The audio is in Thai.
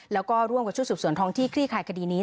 แล้วก็ร่วมกับชุดสืบสวนท้องที่คลี่คลายคดีนี้